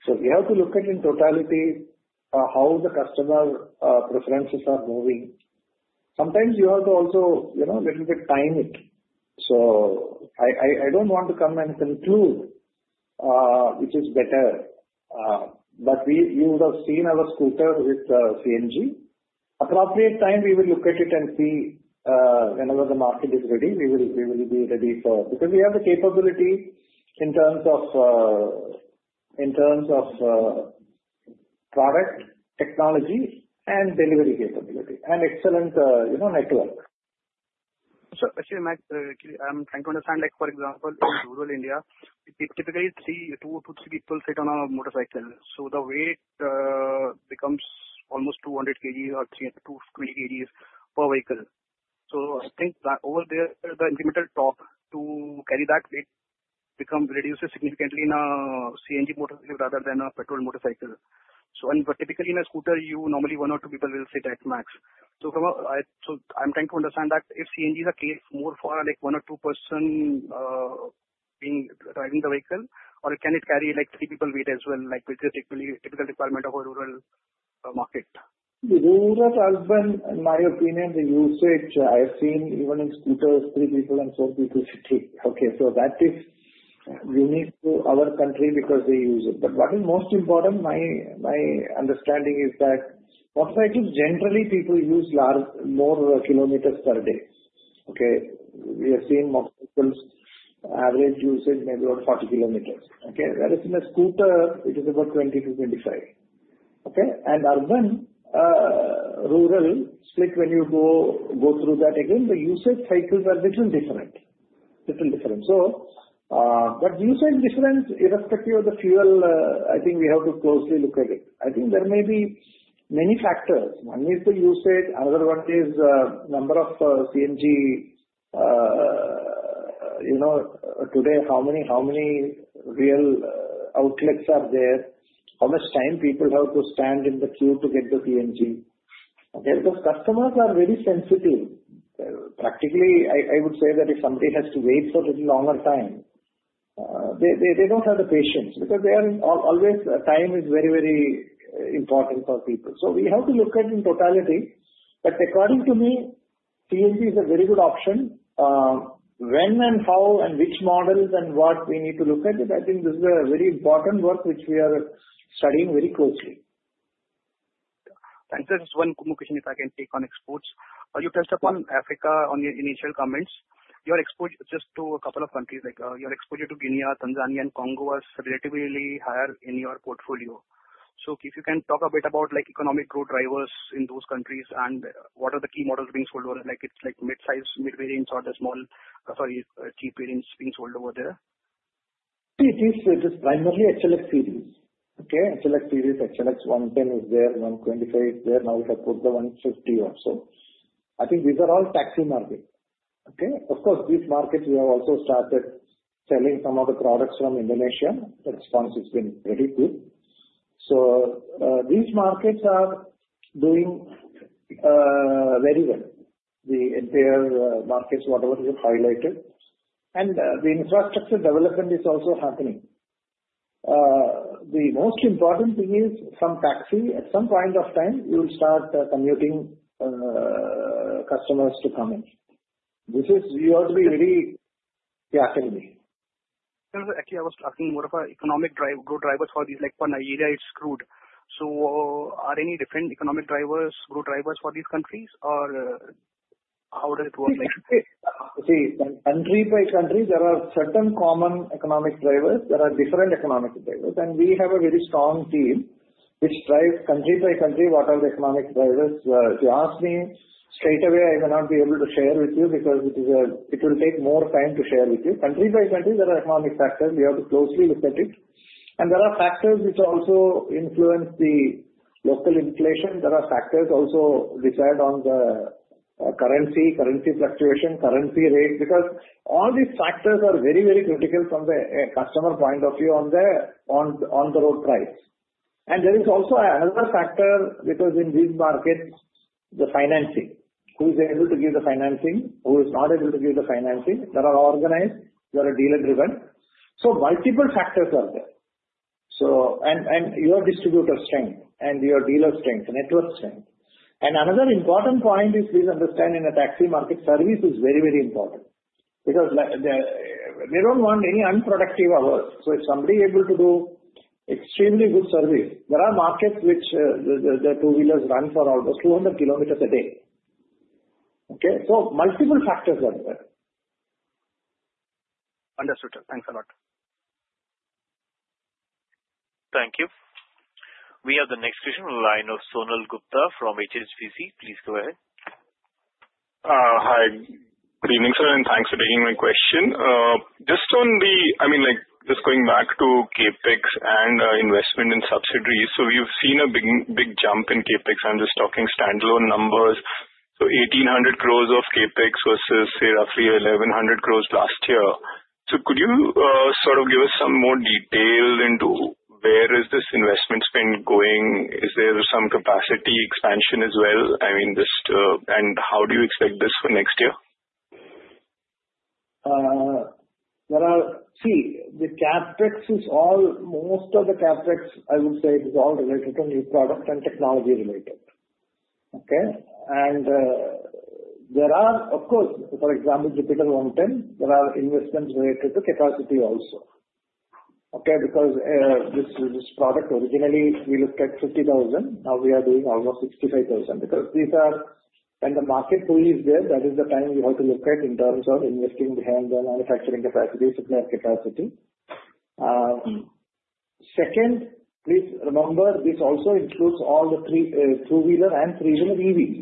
We have to look at it in totality, how the customer preferences are moving. Sometimes you have to also a little bit time it. I don't want to come and conclude which is better, but you would have seen our scooter with CNG. At appropriate time, we will look at it and see whenever the market is ready, we will be ready for because we have the capability in terms of product technology and delivery capability and excellent network. Sir, I'm trying to understand. For example, in rural India, we typically see two to three people sit on a motorcycle. The weight becomes almost 200 kg or 220 kg per vehicle. I think over there, the incremental top to carry that weight reduces significantly in a CNG motorcycle rather than a petrol motorcycle. Typically, in a scooter, normally one or two people will sit at max. I'm trying to understand if CNG is a case more for one or two persons driving the vehicle, or can it carry three people weight as well, which is typical requirement of a rural market? The rural has been, in my opinion, the usage I've seen even in scooters, three people and four people sitting. That is unique to our country because they use it. What is most important, my understanding is that motorcycles generally people use more kilometers per day. We have seen motorcycles average usage maybe about 40 kilometers. Whereas in a scooter, it is about 20-25. In rural, when you go through that again, the usage cycles are a little different. Usage difference irrespective of the fuel, I think we have to closely look at it. I think there may be many factors. One is the usage. Another one is number of CNG today, how many real outlets are there, how much time people have to stand in the queue to get the CNG. Customers are very sensitive. Practically, I would say that if somebody has to wait for a little longer time, they don't have the patience because always time is very, very important for people. We have to look at it in totality. According to me, CNG is a very good option. When and how and which models and what we need to look at it, I think this is a very important work which we are studying very closely. Thanks. Just one more question if I can take on exports. You touched upon Africa in your initial comments. Your export just to a couple of countries, like your exposure to Kenya, Tanzania, and Congo was relatively higher in your portfolio. If you can talk a bit about economic growth drivers in those countries and what are the key models being sold over there, like mid-size, mid-variants, or the small, sorry, cheap variants being sold over there? It is just primarily HLX series. HLX series, HLX 110 is there, 125 is there. Now we have put the 150 also. I think these are all taxi markets. Of course, these markets we have also started selling some of the products from Indonesia. The response has been pretty good. These markets are doing very well. The entire markets, whatever you have highlighted. The infrastructure development is also happening. The most important thing is some taxi, at some point of time, you will start commuting customers to come in. This is used to be very attractive. Actually, I was asking more of an economic growth driver for these. For Nigeria, it's screwed. Are any different economic drivers, growth drivers for these countries, or how does it work? See, country by country, there are certain common economic drivers. There are different economic drivers. We have a very strong team which drives country by country what are the economic drivers. If you ask me straight away, I will not be able to share with you because it will take more time to share with you. Country by country, there are economic factors. We have to closely look at it. There are factors which also influence the local inflation. There are factors also decide on the currency, currency fluctuation, currency rate. Because all these factors are very, very critical from the customer point of view on the road price. There is also another factor because in these markets, the financing. Who is able to give the financing? Who is not able to give the financing? There are organized. There are dealer-driven. Multiple factors are there. Your distributor strength and your dealer strength, network strength. Another important point is, please understand, in a taxi market, service is very, very important because they do not want any unproductive hours. If somebody is able to do extremely good service, there are markets where the two-wheelers run for almost 200 km a day. Multiple factors are there. Understood. Thanks a lot. Thank you. We have the next question line of Sonal Gupta from HSBC. Please go ahead. Hi. Good evening, sir. Thanks for taking my question. Just on the, I mean, just going back to CapEx and investment in subsidiaries. We have seen a big jump in CapEx. I am just talking standalone numbers. 1,800 crores of CapEx versus, say, roughly 1,100 crores last year. Could you sort of give us some more detail into where is this investment spend going? Is there some capacity expansion as well? I mean, how do you expect this for next year? See, the CapEx is all, most of the CapEx, I would say, is all related to new products and technology related. There are, of course, for example, Jupiter 110, there are investments related to capacity also. Because this product originally, we looked at 50,000. Now we are doing almost 65,000 because these are. The market push is there. That is the time we have to look at in terms of investing behind the manufacturing capacity, supply capacity. Second, please remember, this also includes all the two-wheeler and three-wheeler EVs.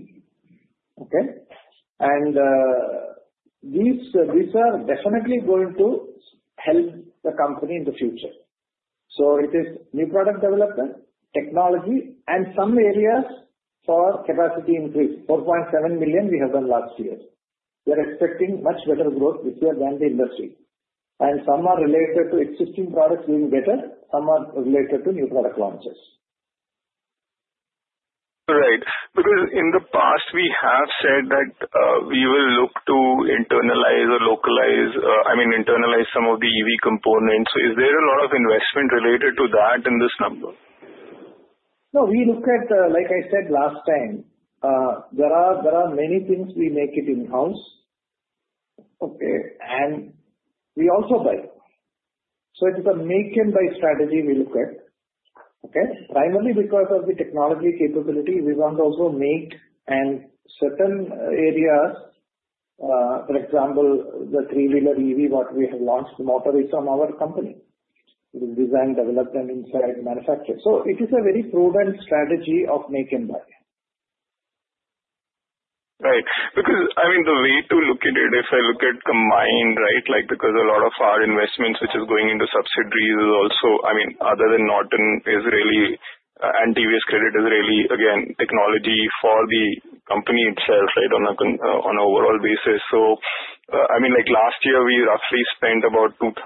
These are definitely going to help the company in the future. It is new product development, technology, and some areas for capacity increase. 4.7 million we have done last year. We are expecting much better growth this year than the industry. Some are related to existing products doing better. Some are related to new product launches. Right. Because in the past, we have said that we will look to internalize or localize, I mean, internalize some of the EV components. Is there a lot of investment related to that in this number? No, we look at, like I said last time, there are many things we make it in-house. And we also buy. It is a make-and-buy strategy we look at. Primarily because of the technology capability, we want to also make and certain areas, for example, the three-wheeler EV, what we have launched, the motor is from our company. It is designed, developed, and inside manufactured. It is a very prudent strategy of make-and-buy. Right. Because, I mean, the way to look at it, if I look at combined, right, because a lot of our investments which is going into subsidiaries is also, I mean, other than Norton is really TVS Credit, is really, again, technology for the company itself on an overall basis. I mean, last year, we roughly spent about 2,450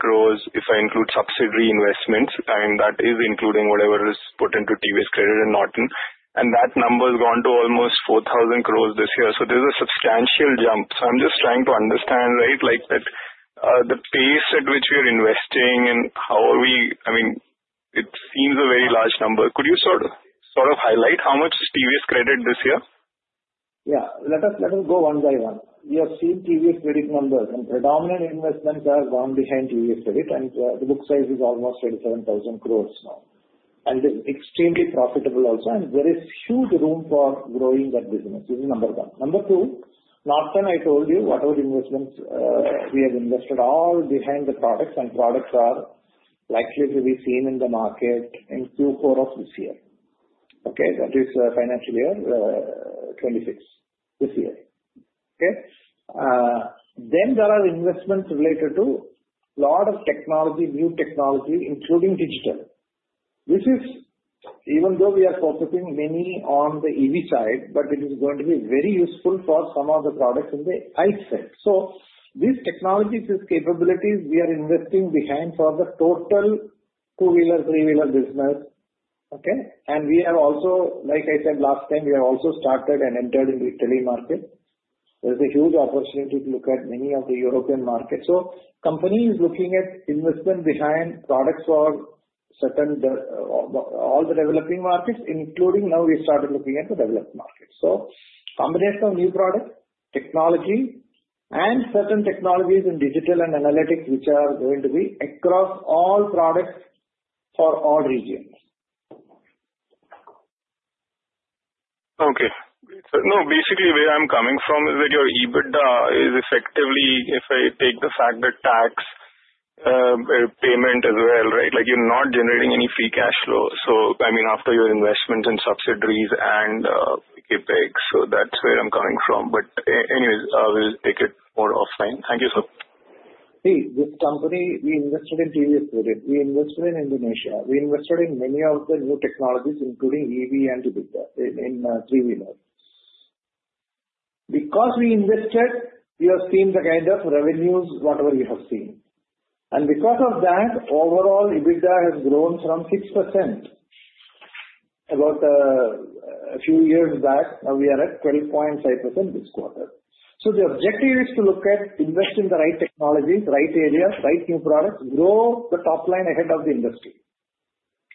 crore if I include subsidiary investments. That is including whatever is put into TVS Credit and Norton. That number has gone to almost 4,000 crore this year. There is a substantial jump. I am just trying to understand, right, the pace at which we are investing and how we, I mean, it seems a very large number. Could you sort of highlight how much is TVS Credit this year? Yeah. Let us go one by one. We have seen TVS Credit numbers. Predominant investments are gone behind TVS Credit. The book size is almost 27,000 crore now. It is extremely profitable also. There is huge room for growing that business. This is number one. Number two, Norton, I told you, whatever investments we have invested, all behind the products. Products are likely to be seen in the market in Q4 of this year. That is financial year 2026 this year. There are investments related to a lot of technology, new technology, including digital. Even though we are focusing mainly on the EV side, it is going to be very useful for some of the products in the IT sector. These technologies, these capabilities, we are investing behind for the total two-wheeler, three-wheeler business. Like I said last time, we have also started and entered in the Italy market. There's a huge opportunity to look at many of the European markets. The company is looking at investment behind products for all the developing markets, including now we started looking at the developed markets. A combination of new products, technology, and certain technologies in digital and analytics, which are going to be across all products for all regions. Okay. No, basically, where I'm coming from is that your EBITDA is effectively, if I take the fact that tax payment as well, right, you're not generating any free cash flow. I mean, after your investments in subsidiaries and CapEx. That's where I'm coming from. Anyway, I will take it more offline. Thank you, sir. See, this company, we invested in TVS Credit. We invested in Indonesia. We invested in many of the new technologies, including EV and Jupiter in three-wheelers. Because we invested, we have seen the kind of revenues, whatever we have seen. Because of that, overall, EBITDA has grown from 6% about a few years back. Now we are at 12.5% this quarter. The objective is to look at investing in the right technologies, right areas, right new products, grow the top line ahead of the industry.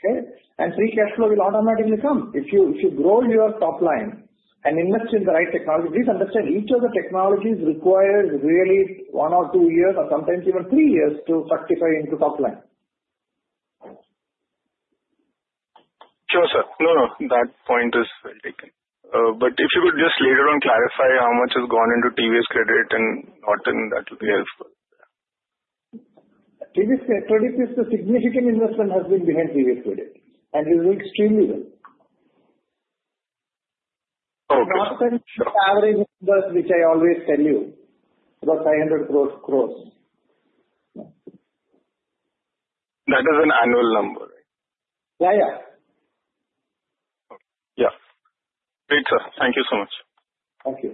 Free cash flow will automatically come. If you grow your top line and invest in the right technology, please understand, each of the technologies requires really one or two years or sometimes even three years to fructify into top line. Sure, sir. No, no. That point is well taken. If you could just later on clarify how much has gone into TVS Credit and Norton, that would be helpful. TVS Credit is a significant investment that has been behind TVS Credit. It is doing extremely well. Okay. Norton average invest, which I always tell you, about 500 crore. That is an annual number, right? Yeah, yeah. Yeah. Great, sir. Thank you so much. Thank you.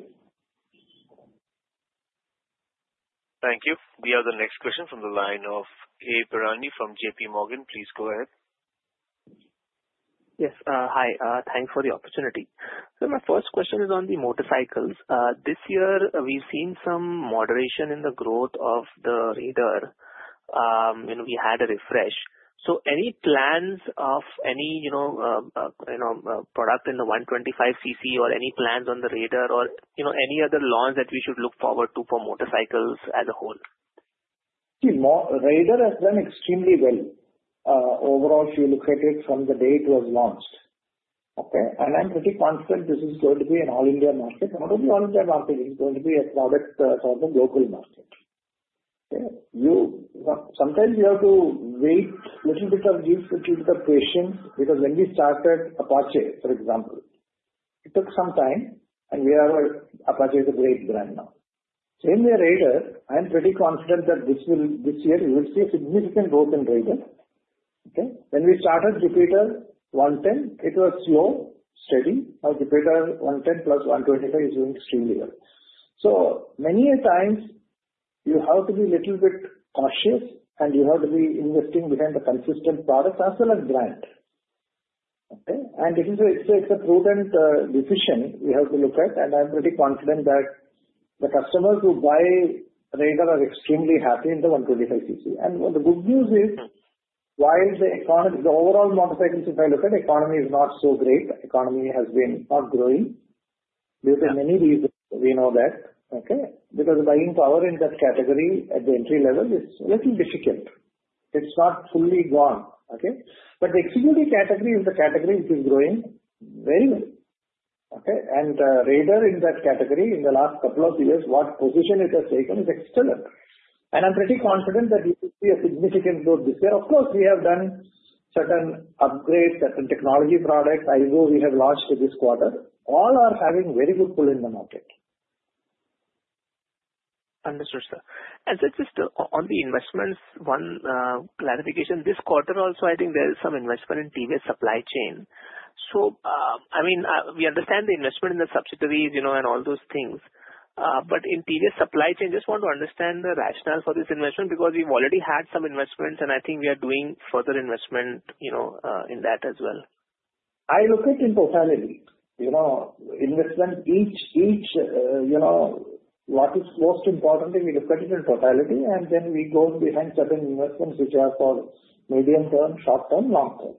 Thank you. We have the next question from the line of A. Pirani from JP Morgan. Please go ahead. Yes. Hi. Thanks for the opportunity. My first question is on the motorcycles. This year, we've seen some moderation in the growth of the Raider. We had a refresh. Any plans of any product in the 125 cc or any plans on the Raider or any other launch that we should look forward to for motorcycles as a whole? See, Raider has done extremely well overall if you look at it from the day it was launched. I'm pretty confident this is going to be an all-India market. Not only all-India market. It's going to be a product for the local market. Sometimes you have to wait a little bit of give to the patience because when we started Apache, for example, it took some time. Apache is a great brand now. Same with Raider. I'm pretty confident that this year, we will see a significant growth in Raider. When we started Jupiter 110, it was slow, steady. Now Jupiter 110 plus 125 is doing extremely well. Many times, you have to be a little bit cautious, and you have to be investing behind the consistent products as well as brand. It's a prudent decision we have to look at. I'm pretty confident that the customers who buy Raider are extremely happy in the 125 cc. The good news is, while the overall motorcycles, if I look at the economy, is not so great, the economy has been not growing. Because of many reasons, we know that. Because buying power in that category at the entry level is a little difficult. It's not fully gone. The executive commuter category is the category which is growing very well. Radeon in that category in the last couple of years, what position it has taken is excellent. I'm pretty confident that we will see a significant growth this year. Of course, we have done certain upgrades, certain technology products, also we have launched this quarter. All are having very good pull in the market. Understood, sir. Just on the investments, one clarification. This quarter also, I think there is some investment in TVS Supply Chain Solutions. I mean, we understand the investment in the subsidiaries and all those things. In TVS Supply Chain Solutions, just want to understand the rationale for this investment because we've already had some investments, and I think we are doing further investment in that as well. I look at it in totality. Investment, what is most importantly, we look at it in totality. Then we go behind certain investments which are for medium term, short term, long term.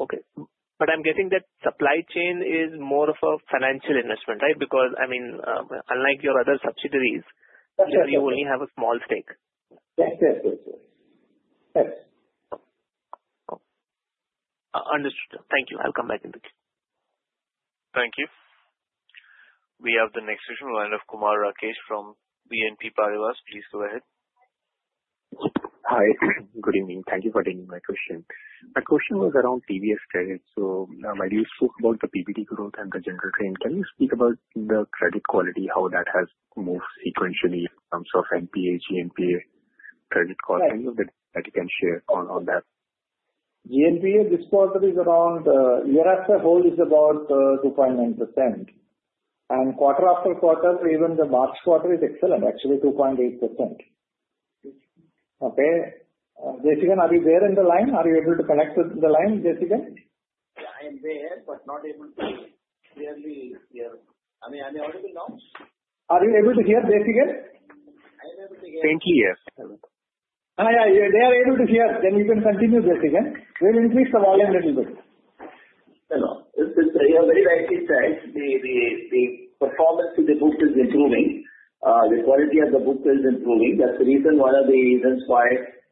Okay. I am getting that supply chain is more of a financial investment, right? Because, I mean, unlike your other subsidiaries, you only have a small stake. Yes. Understood. Thank you. I'll come back in a bit. Thank you. We have the next question from line of Kumar Rakesh from BNP Paribas. Please go ahead. Hi. Good evening. Thank you for taking my question. My question was around TVS Credit. While you spoke about the PBT growth and the general trend, can you speak about the credit quality, how that has moved sequentially in terms of NPA, GNPA credit quality? Any of that you can share on that? GNPA this quarter is around year after hold is about 2.9%. Quarter after quarter, even the March quarter is excellent, actually 2.8%. Desikan, are you there in the line? Are you able to connect with the line, Desikan? Yeah, I'm there, but not able to hear clearly. I mean, are we audible now? Are you able to hear, Desikan? I'm able to hear. Faintly, yes. They are able to hear. You can continue, Desikan. We'll increase the volume a little bit. Hello. We have very likely said the performance of the book is improving. The quality of the book is improving. That's the reason, one of the reasons why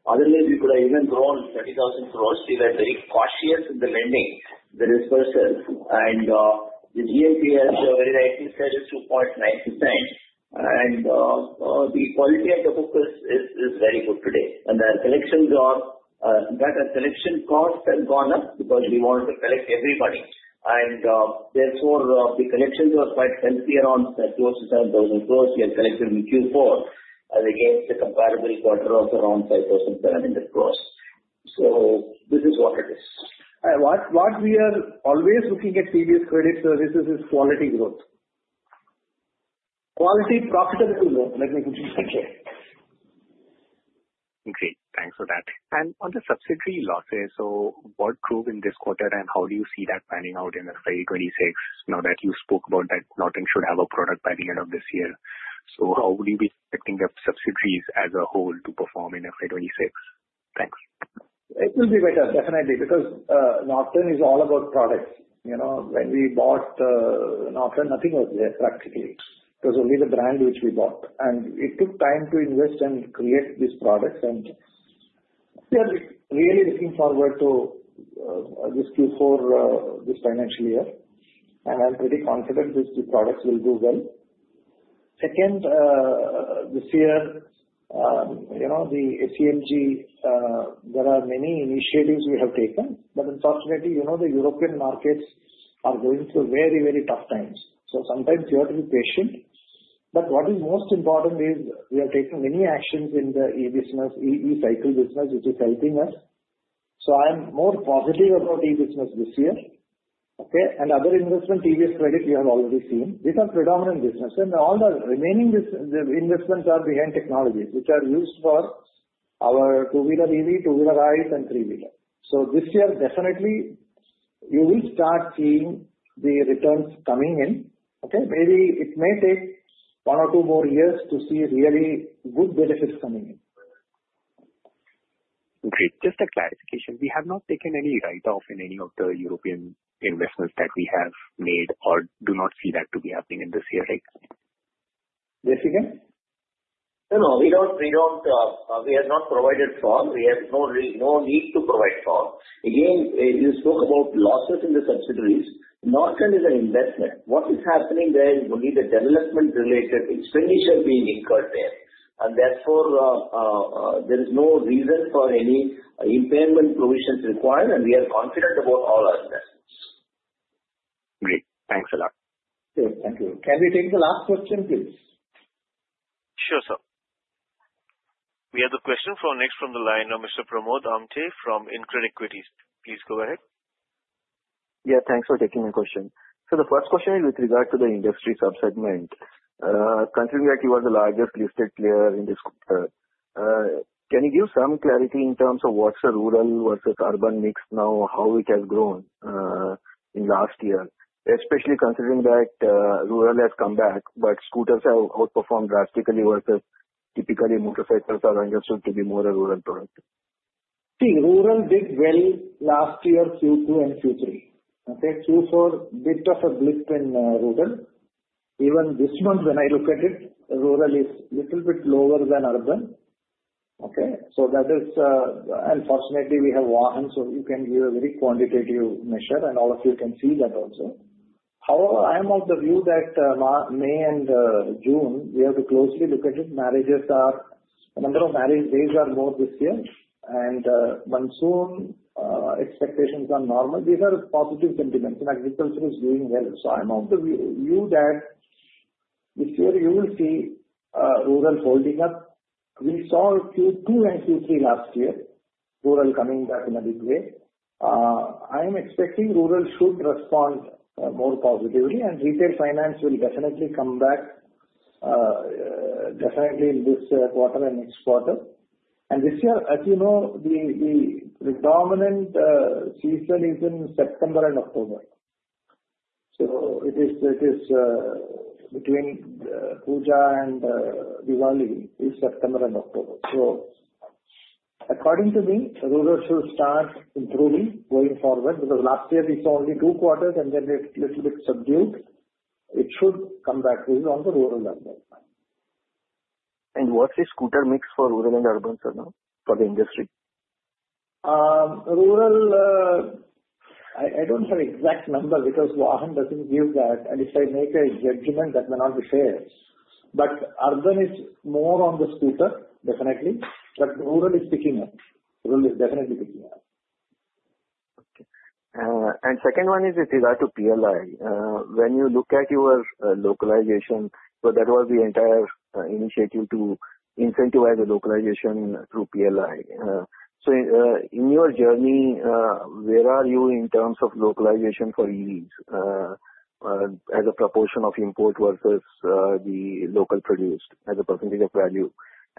otherwise we could have even grown 30,000 crore. We were very cautious in the lending, the disburses. And the GNPA as I very likely said is 2.9%. The quality of the book is very good today. The collections are that our collection cost has gone up because we wanted to collect everybody. Therefore, the collections were quite healthy around close to 7,000 crore. We had collected in Q4 against a comparable quarter of around 5,700 crore. This is what it is. What we are always looking at TVS Credit Services is quality growth. Quality, profitability growth, let me put it that way. Okay. Thanks for that. On the subsidiary losses, what grew in this quarter and how do you see that panning out in FY 2026? Now that you spoke about that, Norton should have a product by the end of this year. How would you be expecting the subsidiaries as a whole to perform in FY 2026? Thanks. It will be better, definitely. Because Norton is all about products. When we bought Norton, nothing was there practically. It was only the brand which we bought. It took time to invest and create these products. We are really looking forward to this Q4, this financial year. I'm pretty confident these products will do well. Second, this year, the ACMG, there are many initiatives we have taken. Unfortunately, the European markets are going through very, very tough times. Sometimes you have to be patient. What is most important is we have taken many actions in the e-business, e-cycle business, which is helping us. I'm more positive about e-business this year. Other investment, TVS Credit, you have already seen. These are predominant businesses. All the remaining investments are behind technologies, which are used for our two-wheeler EV, two-wheeler ICE, and three-wheeler. This year, definitely, you will start seeing the returns coming in. Maybe it may take one or two more years to see really good benefits coming in. Okay. Just a clarification. We have not taken any write-off in any of the European investments that we have made or do not see that to be happening in this year, right? Desikan? No, no. We have not provided fraud. We have no need to provide fraud. Again, you spoke about losses in the subsidiaries. Norton is an investment. What is happening there is only the development-related expenditure being incurred there. Therefore, there is no reason for any impairment provisions required. We are confident about all our investments. Great. Thanks a lot. Okay. Thank you. Can we take the last question, please? Sure, sir. We have the question for next from the line, Mr. Pramod Amthe from InCred Equities. Please go ahead. Yeah. Thanks for taking my question. The first question is with regard to the industry subsegment. Considering that you are the largest listed player in this quarter, can you give some clarity in terms of what's a rural versus urban mix now, how it has grown in last year, especially considering that rural has come back, but scooters have outperformed drastically versus typically motorcycles are understood to be more a rural product? See, rural did well last year, Q2 and Q3. Q4 did have a blip in rural. Even this month, when I look at it, rural is a little bit lower than urban. That is, unfortunately, we have Vahan, so you can give a very quantitative measure. All of you can see that also. However, I am of the view that May and June, we have to closely look at it. The number of marriage days are more this year. Monsoon expectations are normal. These are positive sentiments. Agriculture is doing well. I am of the view that this year, you will see rural holding up. We saw Q2 and Q3 last year, rural coming back in a big way. I am expecting rural should respond more positively. Retail finance will definitely come back, definitely in this quarter and next quarter. This year, as you know, the predominant season is in September and October. It is between Puja and Diwali, which is September and October. According to me, rural should start improving going forward. Because last year, we saw only two quarters and then a little bit subdued. It should come back. This is on the rural and urban side. What's the scooter mix for rural and urban for the industry? Rural, I don't have an exact number because Vahan doesn't give that. If I make a judgment, that may not be fair. Urban is more on the scooter, definitely. Rural is picking up. Rural is definitely picking up. Okay. Second one is with regard to PLI. When you look at your localization, that was the entire initiative to incentivize the localization through PLI. In your journey, where are you in terms of localization for EVs as a proportion of import versus the local produced as a percentage of value?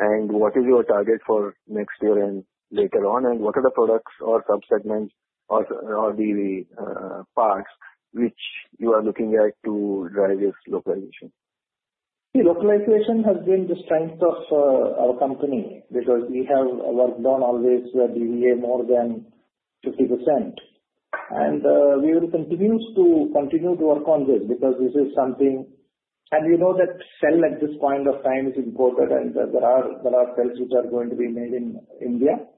What is your target for next year and later on? What are the products or subsegments or DV parts which you are looking at to drive this localization? See, localization has been the strength of our company because we have worked on always DVA more than 50%. We will continue to work on this because this is something. You know that sell at this point of time is important. There are sales which are going to be made in India.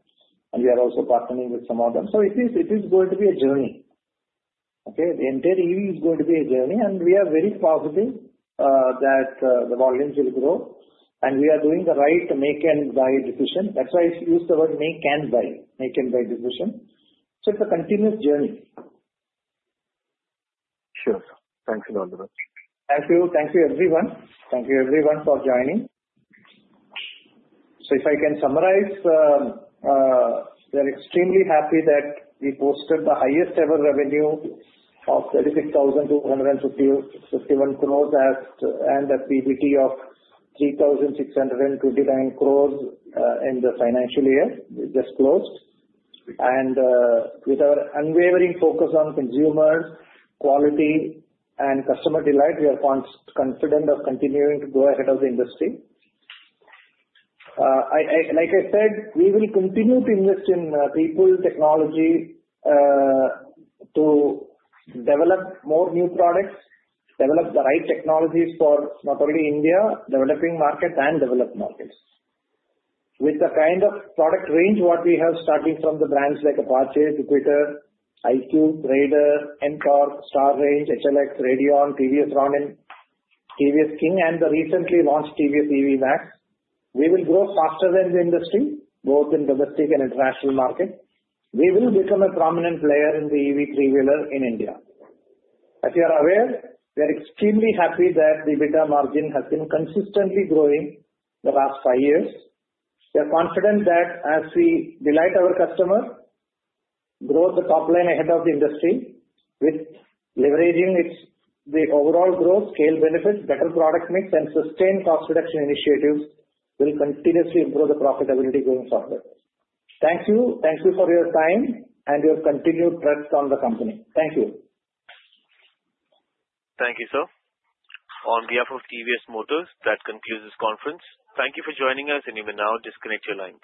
We are also partnering with some of them. It is going to be a journey. The entire EV is going to be a journey. We are very positive that the volumes will grow. We are doing the right make-and-buy decision. That's why I use the word make-and-buy, make-and-buy decision. It is a continuous journey. Sure. Thanks a lot. Thank you. Thank you, everyone. Thank you, everyone, for joining. If I can summarize, we are extremely happy that we posted the highest ever revenue of 36,251 crore and a PBT of 3,629 crore in the financial year we just closed. With our unwavering focus on consumer quality and customer delight, we are confident of continuing to go ahead as an industry. Like I said, we will continue to invest in people and technology to develop more new products, develop the right technologies for not only India, developing markets, and developed markets. With the kind of product range we have, starting from the brands like Apache, Jupiter, iQube, Radeon, Ntorq, HLX, Radeon, TVS Ronin, TVS King, and the recently launched TVS King EV Max, we will grow faster than the industry, both in domestic and international market. We will become a prominent player in the EV three-wheeler in India. As you are aware, we are extremely happy that the EBITDA margin has been consistently growing the last five years. We are confident that as we delight our customers, grow the top line ahead of the industry with leveraging the overall growth, scale benefits, better product mix, and sustained cost reduction initiatives will continuously improve the profitability going forward. Thank you. Thank you for your time and your continued trust on the company. Thank you. Thank you, sir. On behalf of TVS Motor Company, that concludes this conference. Thank you for joining us, and you may now disconnect your lines.